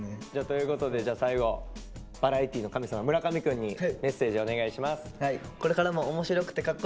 ということでじゃあ最後バラエティーの神様村上くんにメッセージをお願いします。